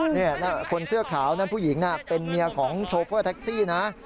นี่คนเสื้อขาวนั่นผู้หญิงเป็นเมียของโชเฟอร์แท็กซี่นะ